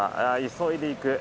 急いでいく。